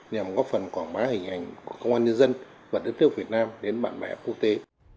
nhằm góp phần quảng bá hình ảnh của công an nhân dân và đất nước việt nam đến bạn bè quốc tế